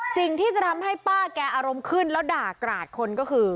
สิ่งที่จะทำให้ป้าแกอารมณ์ขึ้นแล้วด่ากราดคนก็คือ